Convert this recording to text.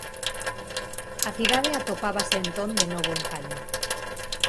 A cidade atopábase entón de novo en calma.